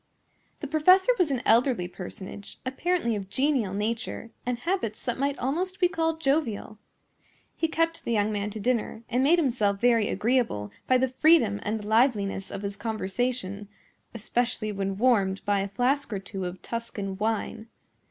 The professor was an elderly personage, apparently of genial nature, and habits that might almost be called jovial. He kept the young man to dinner, and made himself very agreeable by the freedom and liveliness of his conversation, especially when warmed by a flask or two of Tuscan wine.